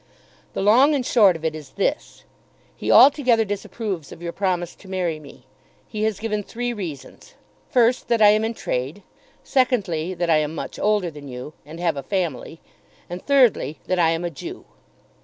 The long and short of it is this. He altogether disapproves of your promise to marry me. He has given three reasons; first that I am in trade; secondly that I am much older than you, and have a family; and thirdly that I am a Jew.